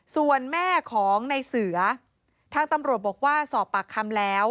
ส่วนแม่ของในเสือทางตำรวจบอกว่าสอบปากคำแล้ว